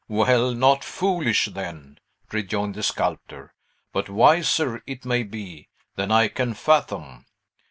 "Well, not foolish, then," rejoined the sculptor, "but wiser, it may be, than I can fathom.